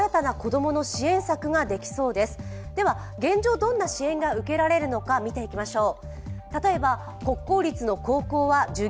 どんな支援が受けられるのか見ていきましょう。